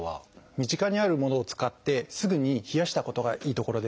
身近にあるものを使ってすぐに冷やしたことがいいところです。